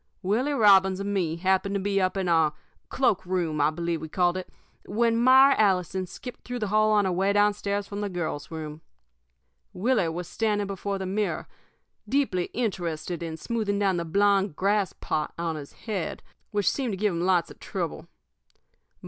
"Willie Robbins and me happened to be up in our cloak room, I believe we called it when Myra Allison skipped through the hall on her way down stairs from the girls' room. Willie was standing before the mirror, deeply interested in smoothing down the blond grass plot on his head, which seemed to give him lots of trouble.